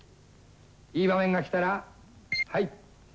いい場面が来たらはい。